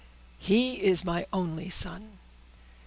"He is my only son."